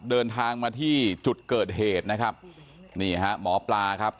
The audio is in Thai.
เดินทางมาที่จุดเกิดเหตุนะครับนี่ฮะหมอปลาครับ